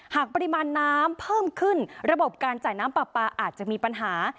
หากปริมาณน้ำเพิ่มขึ้นระบบการจ่ายน้ำปลาปลาอาจจะมีปัญหา